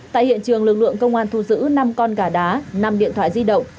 tại hiện trường lực lượng công an thu giữ năm con gà đá năm điện thoại di động